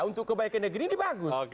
untuk kebaikan negeri ini bagus